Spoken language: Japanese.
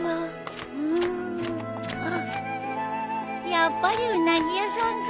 やっぱりウナギ屋さんか。